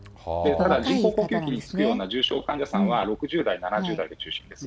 ただ、人工呼吸器につくような重症患者さんは６０代、７０代が中心です。